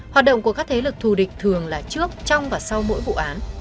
hoạt động của các thế lực thù địch thường là trước trong và sau mỗi vụ án